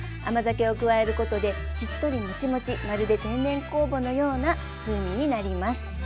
甘酒を加えることでしっとりモチモチまるで天然酵母のような風味になります。